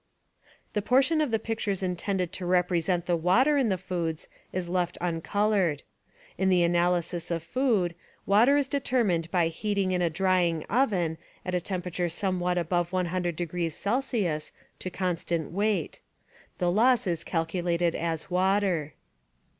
The portion of the pictures intended to represent the water in the foods is left uncolored. In the analysis of food, water is determined by heating in a drying oven at a temperature somewhat Water above 100 degrees C. to constant weight. The loss is calculated as water.